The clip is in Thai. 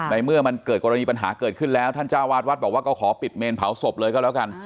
เมื่อมันเกิดกรณีปัญหาเกิดขึ้นแล้วท่านเจ้าวาดวัดบอกว่าก็ขอปิดเมนเผาศพเลยก็แล้วกัน